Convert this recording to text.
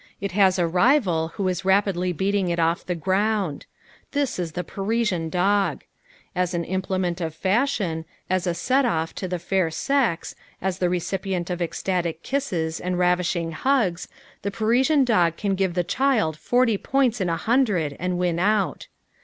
It has a rival who is rapidly beating it off the ground. This is the Parisian dog. As an implement of fashion, as a set off to the fair sex, as the recipient of ecstatic kisses and ravishing hugs, the Parisian dog can give the child forty points in a hundred and win out.